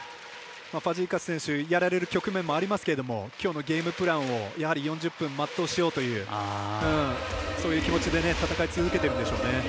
ファジーカス選手やられる局面もありますけどきょうのゲームプランをやはり４０分、全うしようというそういう気持ちで戦い続けてるんでしょうね。